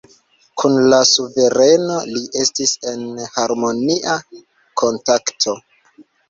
Kun la suvereno li estis en harmonia kontakto.